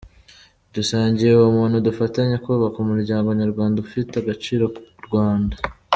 Dusangiye ubumuntu, dufatanye kubaka umuryango nyarwanda ufite agaciro Rwanda.